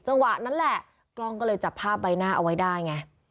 จังหวะนั้นแหละกล้องก็เลยจับภาพใบหน้าเอาไว้ได้ไง